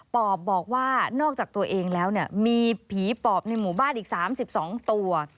ปอบบอกว่านอกจากตัวเองแล้วเนี่ยมีผีปอบในหมู่บ้านอีก๓๒ตัว